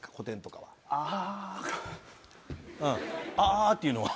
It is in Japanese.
「あ」っていうのは？